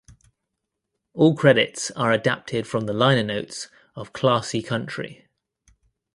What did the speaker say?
All credits are adapted from the liner notes of "Classy Country".